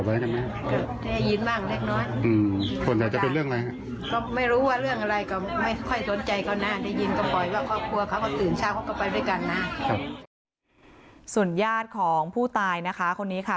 ไม่คาดคิดว่าจะเกิดเหตุการณ์แบบนี้กับหลานของตัวเองค่ะ